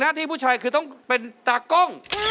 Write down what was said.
ที่ผู้ชายคือต้องเป็นตากล้อง